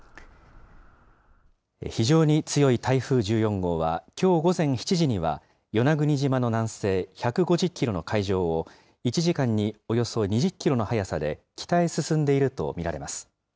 非常に強い台風１４号は、きょう午前７時には、与那国島の南西１５０キロの海上を、１時間におよそ２０キロの速さで北へ進んでいると見られます。